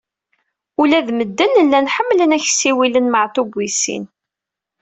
Ula d medden, llan ḥemmlen ad ak-ssiwilen "Meɛtub wis sin".